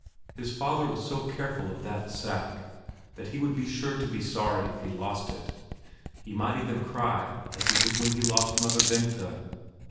His father was so careful of that sack, that he would be sure to be sorry if he lost it—he might even cry as he did when he lost Mother Bengta.